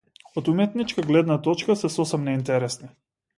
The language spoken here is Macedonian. Од уметничка гледна точка се сосем неинтересни.